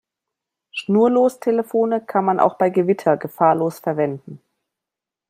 Schnurlostelefone kann man auch bei Gewitter gefahrlos verwenden.